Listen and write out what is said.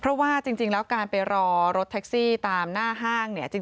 เพราะว่าจริงแล้วการไปรอรถแท็กซี่ตามหน้าห้างเนี่ย